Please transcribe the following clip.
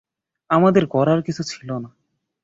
আমাদের করার কিছু ছিল না।